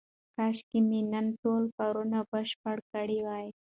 کاشکې مې نن ټول کارونه بشپړ کړي وای.